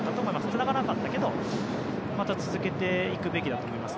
つながらなかったけど続けていくべきだと思います。